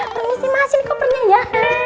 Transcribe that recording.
permisi mas ini kopernya ya